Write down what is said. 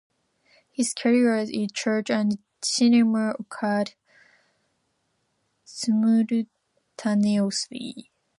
His careers in church and cinema occurred simultaneously.